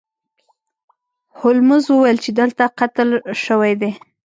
هولمز وویل چې دلته قتل شوی دی.